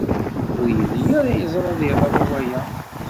Ur yelli ara yeẓra ad yeḍru waya.